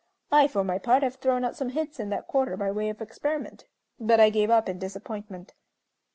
I for my part have thrown out some hints in that quarter by way of experiment, but I gave up in disappointment."